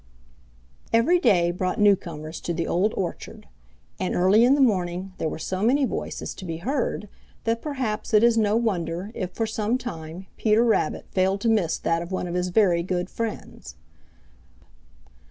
Every day brought newcomers to the Old Orchard, and early in the morning there were so many voices to be heard that perhaps it is no wonder if for some time Peter Rabbit failed to miss that of one of his very good friends.